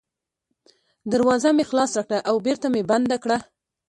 دروازه مې خلاصه کړه او بېرته مې بنده کړه.